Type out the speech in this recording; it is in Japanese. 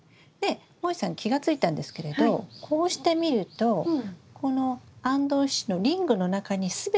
もえさん気が付いたんですけれどこうして見るとこのあんどん支柱のリングの中に全ての枝が入ってますよね。